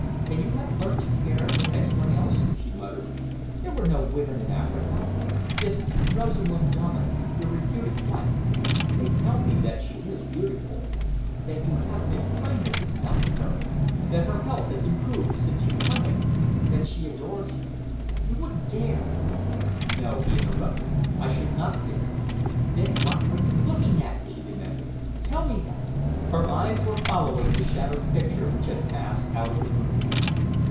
"Can you have learnt to care for any one else?" she muttered. "There were no women in Africa. This Rosamund Dominey, your reputed wife they tell me that she is beautiful, that you have been kindness itself to her, that her health has improved since your coming, that she adores you. You wouldn't dare " "No," he interrupted, "I should not dare." "Then what are you looking at?" she demanded. "Tell me that?" Her eyes were following the shadowed picture which had passed out of the room.